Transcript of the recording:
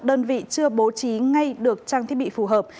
đơn vị chưa bố trí ngay được trang thiết bị phù hợp